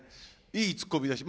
いいツッコミだし。